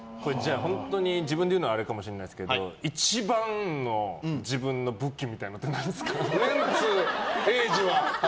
本当に自分で言うのはあれかもしれないんですけど一番の自分の武器みたいなのって何ですか？